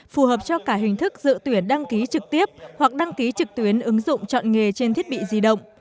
phù hợp cho cả hình thức dự tuyển đăng ký trực tiếp hoặc đăng ký trực tuyến ứng dụng chọn nghề trên thiết bị di động